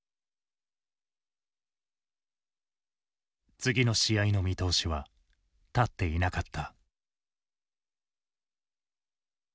次の試合の見通しは立っていなかった。